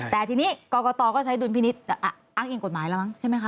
แต่ทีนี้กรกตก็ใช้ดุลพินิษฐ์อ้างอิงกฎหมายแล้วมั้งใช่ไหมคะ